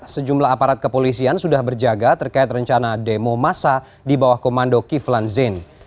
sejumlah aparat kepolisian sudah berjaga terkait rencana demo masa di bawah komando kiflan zain